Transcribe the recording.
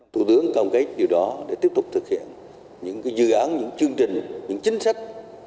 thủ tướng công kết điều đó để tiếp tục thực hiện những dự án những chương trình những chính sách